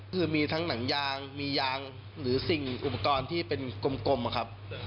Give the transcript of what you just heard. คือมีทั้งหนังยางมียางหรือสิ่งอุปกรณ์ที่เป็นกลมนะครับ